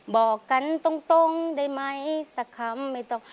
บอกกันตรงได้ไหมสักคำไม่ต้อง